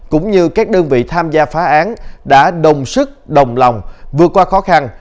cũng như các đơn vị tham gia phá án đã đồng sức đồng lòng vượt qua khó khăn